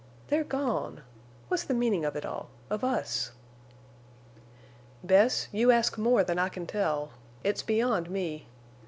They're gone! What's the meaning of it all—of us?" "Bess, you ask more than I can tell. It's beyond me.